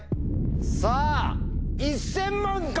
さぁ１０００万か？